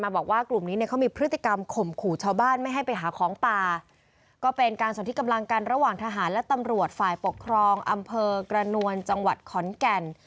บอกว่ากลุ่มนี้เนี่ยเขามีพฤติกรรมข่มขู่ชาวบ้านไม่ให้ไปหาของป่าก็เป็นการสนที่กำลังกันระหว่างทหารและตำรวจฝ่ายปกครองอำเภอกระนวลจังหวัดขอนแก่น